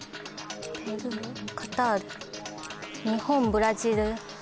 ペルーカタール日本ブラジル。